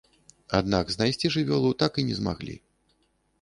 Аднак знайсці жывёлу так і не змаглі.